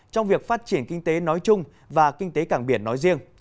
trong việc phát triển kinh tế nói chung và kinh tế cảng biển nói riêng